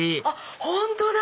本当だ！